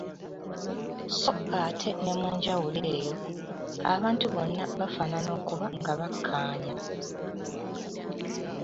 Sso ate ne mu njawulo eyo, abantu bonna bafaanana okuba nga bakkaanya.